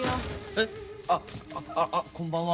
えっあっあこんばんは。